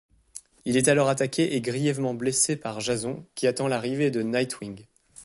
Il est alors attaqué et grièvement blessé par Jason qui attend l'arrivée de Nightwing.